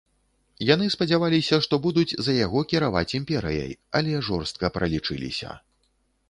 Яны спадзяваліся, што будуць за яго кіраваць імперыяй, але жорстка пралічыліся.